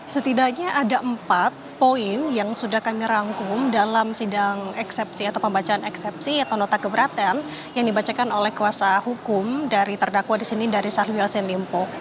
setidaknya ada empat poin yang sudah kami rangkum dalam sidang eksepsi atau pembacaan eksepsi atau nota keberatan yang dibacakan oleh kuasa hukum dari terdakwa di sini dari syahrul yassin limpo